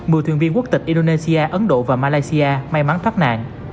mười thuyền viên quốc tịch indonesia ấn độ và malaysia may mắn thoát nạn